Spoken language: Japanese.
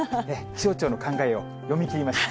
気象庁の考えを読み切りました。